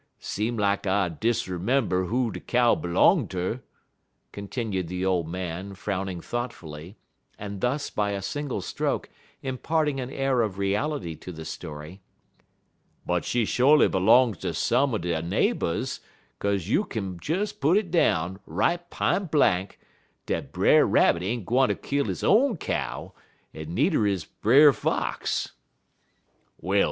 Seem lak I disremember who de cow b'long ter," continued the old man, frowning thoughtfully, and thus, by a single stroke, imparting an air of reality to the story; "but she sho'ly b'long'd ter some er de neighbors, 'kaze you kin des put it down, right pine blank, dat Brer Rabbit ain't gwine ter kill he own cow, en needer is Brer Fox.